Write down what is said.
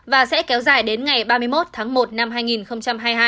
và sẽ kéo dài đến ngày ba mươi một tháng một năm hai nghìn hai mươi hai